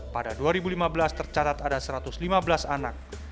pada dua ribu lima belas tercatat ada satu ratus lima belas anak